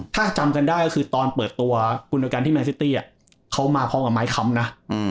ถ้าจำกันได้ก็คือตอนเปิดตัวกุณโดยกันที่แมนซิตี้เขามาพร้อมกับไม้คำนะ